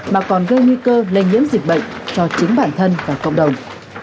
mà còn gây nguy cơ lây nhiễm dịch bệnh cho chính bản thân và cộng đồng